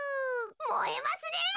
もえますねえ！